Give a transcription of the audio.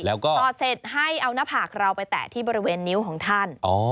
แล้วก็ต่อเสร็จให้เอาหน้าผากเราไปแตะที่บริเวณนิ้วของท่าน